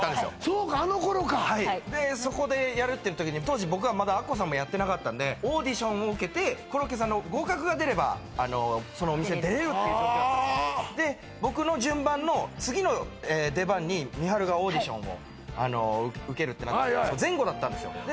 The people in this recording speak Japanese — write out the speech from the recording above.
そうかあのころかはいでそこでやるって時に当時僕はまだアッコさんもやってなかったんでオーディションを受けてコロッケさんの合格が出ればそのお店出れるっていう状況だったんですで僕の順番の次の出番にみはるがオーディションを受けるってなってて前後だったんですよ